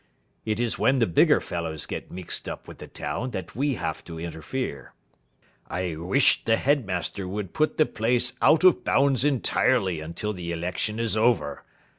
It is when the bigger fellows get mixed up with the town that we have to interfere. I wish the headmaster would put the place out of bounds entirely until the election is over.